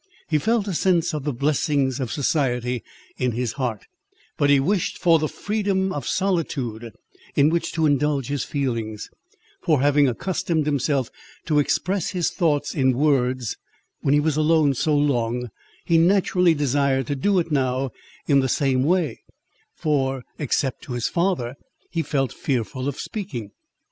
He felt a sense of the blessings of society in his heart, but he wished for the freedom of solitude, in which to indulge his feelings; for having accustomed himself to express his thoughts in words, when he was alone so long, he naturally desired to do it now in the same way, for, except to his father, he felt fearful of speaking.